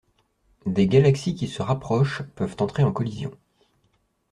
Des galaxies qui se rapprochent peuvent entrer en collision.